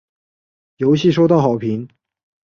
游戏收到好评。